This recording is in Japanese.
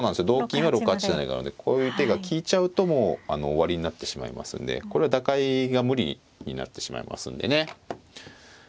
同金は６八飛車成があるのでこういう手が利いちゃうともう終わりになってしまいますんでこれは打開が無理になってしまいますんでね。